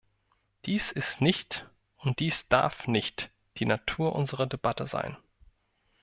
Dies ist nicht und dies darf nicht die Natur unserer Debatte sein.